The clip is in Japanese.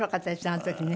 あの時ね。